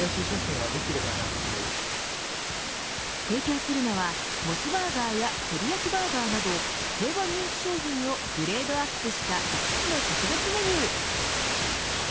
提供するのはモスバーガーやテリヤキバーガーなど定番人気商品をグレードアップした５つの特別メニュー。